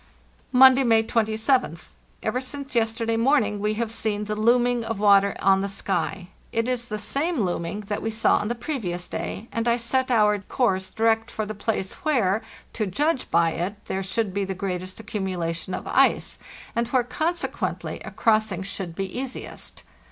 "Monday, May 27th. Ever since yesterday morning we have seen the looming of water on the sky; it is the same looming that we saw on the previous day, and I set our course direct for the place where, to judge by it, there should be the greatest accumulation of ice, and where, consequently, a crossing should be easiest.